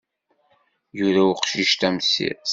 Yura uqcic tamsirt.